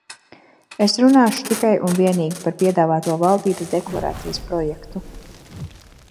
Es runāšu tikai un vienīgi par piedāvāto valdības deklarācijas projektu.